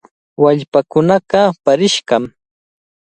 Wallpaakunaqa paarishqami.